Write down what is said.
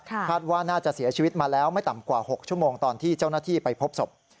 คาดว่าน่าจะเสียชีวิตมาแล้วไม่ต่ำกว่า๖ชั่วโมงตอนที่เจ้าหน้าที่ไปพบศพ